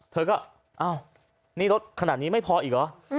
เธอก็อ้าวนี่รถขนาดนี้ไม่พออีกเหรอ